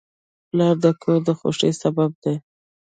پلار د کور د خوښۍ سبب دی.